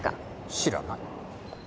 知らない。